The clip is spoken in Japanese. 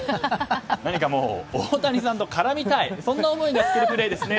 何か大谷さんと絡みたいそんな思いが見えるプレーですね。